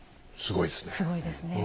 すごいですねえ。